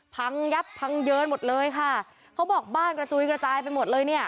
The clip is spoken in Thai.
พังยับพังเยินหมดเลยค่ะเขาบอกบ้านกระจุยกระจายไปหมดเลยเนี่ย